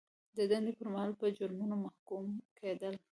د دندې پر مهال په جرمونو محکوم کیدل.